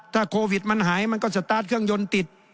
ถ้าโควิดมันหายมันก็สตาร์ทเครื่องยนต์ติด